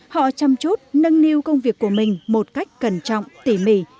họ chăm chút nâng niu công việc của mình một cách cẩn trọng tỉ mỉ